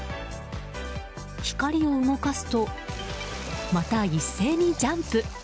光を動かすとまた一斉にジャンプ。